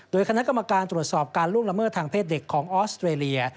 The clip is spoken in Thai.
โดยคณะกรรมการตรวจสอบการล่วงละเมิดทางเพศเด็กของออสเตรเลีย